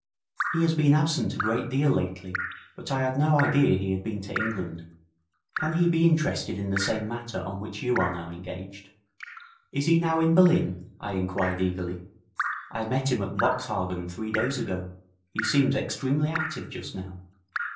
He has been absent a great deal lately, but I had no idea he had been to England. Can he be interested in the same matter on which you are now engaged?' 'Is he now in Berlin?' I inquired eagerly. 'I met him at Boxhagen three days ago. He seems extremely active just now.'